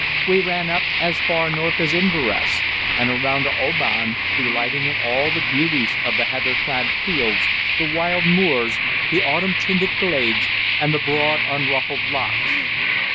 We ran up as far north as Inverness, and around to Oban, delighting in all the beauties of the heather clad hills, the wild moors, the autumn tinted glades, and the broad unruffled lochs.